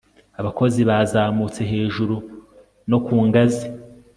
abakozi bazamutse hejuru no ku ngazi